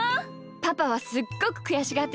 パパはすっごくくやしがってたけどね。